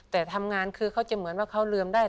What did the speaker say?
แต่ทำงานคือเขาจะเหมือนว่าเขาลืมได้